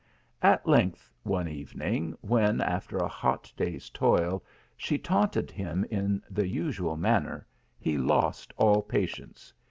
At length one evening, when, after a hot clay s toil, she taunted him in the usual manner, he lost all patience.